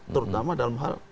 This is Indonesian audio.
terutama dalam hal